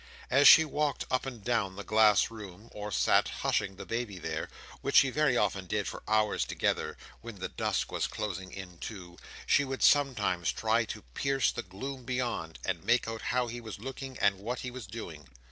As she walked up and down the glass room, or sat hushing the baby there—which she very often did for hours together, when the dusk was closing in, too—she would sometimes try to pierce the gloom beyond, and make out how he was looking and what he was doing.